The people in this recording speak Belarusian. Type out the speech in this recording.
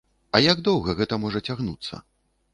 А як доўга гэта можа цягнуцца?